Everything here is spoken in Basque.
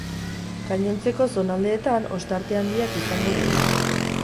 Gainontzeko zonaldeetan ostarte handiak izango dira.